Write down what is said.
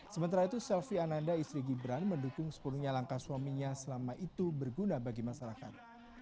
sementara itu selvi ananda istri gibran mendukung sepenuhnya langkah suaminya selama itu berguna bagi masyarakat